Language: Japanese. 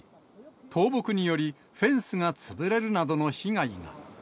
倒木により、フェンスが潰れるなどの被害が。